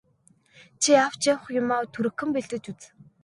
Чи авч явах юмаа түргэхэн бэлдэж үз.